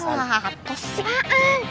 malah tos siapa